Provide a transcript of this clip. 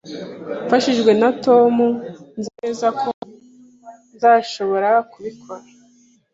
Mfashijwe na Tom, Nzi neza ko nzashobora kubikora